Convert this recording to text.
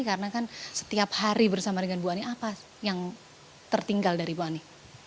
karena kan setiap hari bersama dengan ibu ani apa yang tertinggal dari ibu ani